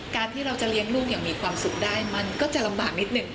การที่เราจะเลี้ยงลูกอย่างมีความสุขได้มันก็จะลำบากนิดหนึ่ง